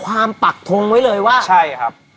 ปักทงไว้เลยว่าใช่ครับ